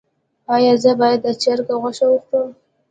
ایا زه باید د چرګ غوښه وخورم؟